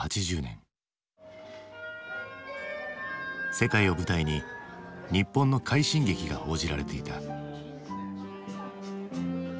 世界を舞台に日本の快進撃が報じられていた。